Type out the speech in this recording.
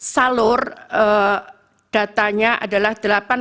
salur datanya adalah delapan belas enam puluh dua